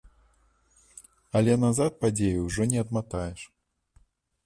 Але назад падзеі ўжо не адматаеш.